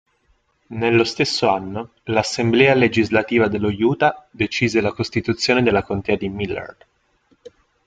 Nello stesso anno l'assemblea legislativa dello Utah decise la costituzione della contea di Millard.